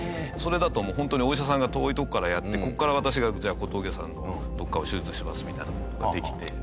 それだともう本当にお医者さんが遠いとこからやってここから私がじゃあ小峠さんのどこかを手術しますみたいな事ができて。